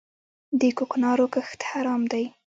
د کوکنارو کښت حرام دی؟